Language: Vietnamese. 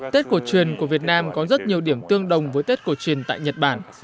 tết cổ truyền của việt nam có rất nhiều điểm tương đồng với tết cổ truyền tại nhật bản